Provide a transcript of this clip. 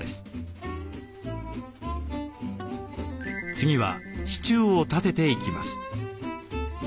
次は支柱を立てていきます。